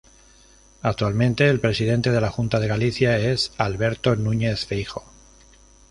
Actualmente, el presidente de la Junta de Galicia es Alberto Núñez Feijóo.